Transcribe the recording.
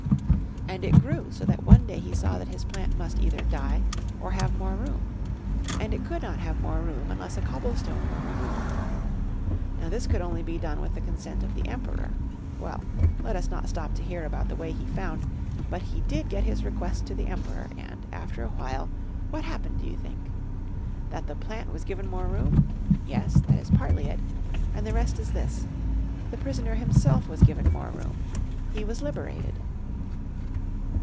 And it grew so that one day he saw that his plant must either die or have more room. And it could not have more room unless a cobblestone were removed. Now this could only be done with the consent of the Emperor. Well, let us not stop to hear about the way he found, but he did get his request to the Emperor and, after a while, what happened do you think? That the plant was given more room? Yes, that is partly it, and the rest is this: the prisoner himself was given more room he was liberated.